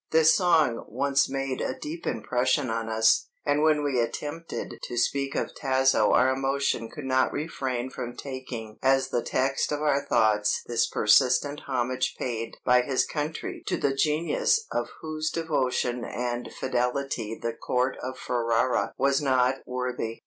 This song once made a deep impression on us, and when we attempted to speak of Tasso our emotion could not refrain from taking as the text of our thoughts this persistent homage paid by his country to the genius of whose devotion and fidelity the court of Ferrara was not worthy.